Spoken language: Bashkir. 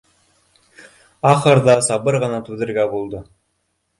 Ахырҙа сабыр ғына түҙергә булды